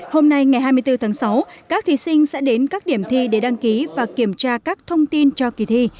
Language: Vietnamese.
hôm nay ngày hai mươi bốn tháng sáu các thí sinh sẽ đến các điểm thi để đăng ký và kiểm tra các thông tin cho kỳ thi